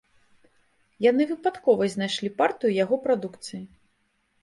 Яны выпадкова знайшлі партыю яго прадукцыі.